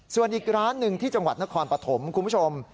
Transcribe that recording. ส่วนอีกร้านหนึ่งที่จังหวัดนครปฐมคุณผู้ชม